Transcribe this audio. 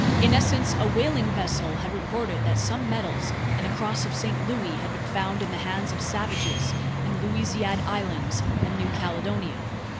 In essence, a whaling vessel had reported that some medals and a Cross of St. Louis had been found in the hands of savages in the Louisiade Islands and New Caledonia.